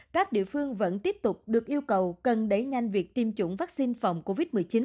các địa phương vẫn tiếp tục được yêu cầu cần đẩy nhanh việc tiêm chủng vaccine phòng covid một mươi chín